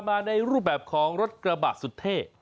มาในรูปแบบของรถกระบะสุดเท่